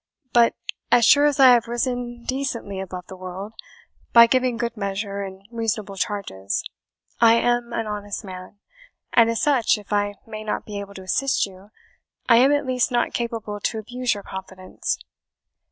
But as sure as I have risen decently above the world, by giving good measure and reasonable charges, I am an honest man; and as such, if I may not be able to assist you, I am, at least, not capable to abuse your confidence.